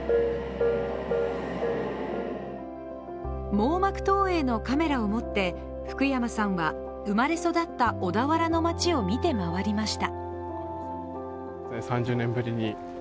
網膜投影のカメラを持って福山さんは生まれ育った小田原の街を見て回りました。